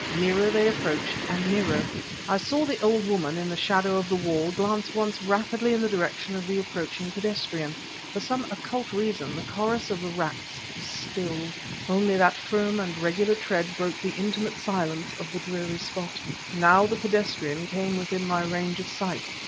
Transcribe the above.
Nearer they approached and nearer. I saw the old woman, in the shadow of the wall, glance once rapidly in the direction of the approaching pedestrian. For some occult reason, the chorus of the rats was stilled. Only that firm and regular tread broke the intimate silence of the dreary spot. Now the pedestrian came within my range of sight.